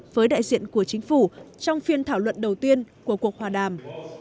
với đại diện của chính phủ trong phiên thảo luận đầu tiên của cuộc hòa đàm